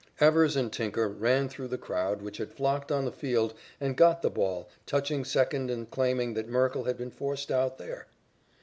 Evers and Tinker ran through the crowd which had flocked on the field and got the ball, touching second and claiming that Merkle had been forced out there.